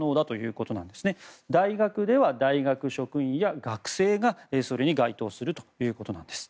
大学では大学職員や学生がそれに該当するということです。